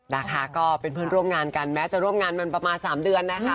นะคะก็เป็นเพื่อนร่วมงานกันแม้จะร่วมงานมันประมาณ๓เดือนนะคะ